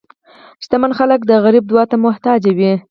شتمن خلک د غریب دعا ته محتاج وي.